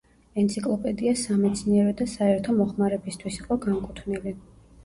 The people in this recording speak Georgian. ენციკლოპედია სამეცნიერო და საერთო მოხმარებისთვის იყო განკუთვნილი.